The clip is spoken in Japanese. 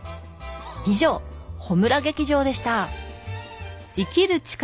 以上ホムラ劇場でした！